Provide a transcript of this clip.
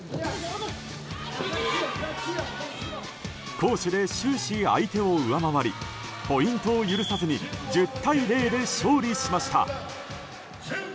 攻守で終始、相手を上回りポイントを許さずに１０対０で勝利しました。